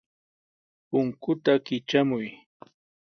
Punkuta kitramuy.